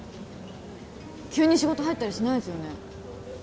急に仕事入ったりしないですよね？